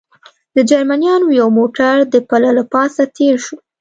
د جرمنیانو یو موټر د پله له پاسه تېر شو.